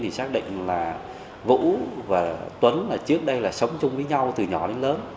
thì xác định là vũ và tuấn trước đây là sống chung với nhau từ nhỏ đến lớn